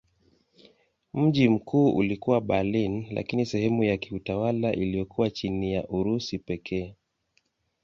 Mji mkuu ulikuwa Berlin lakini sehemu ya kiutawala iliyokuwa chini ya Urusi pekee.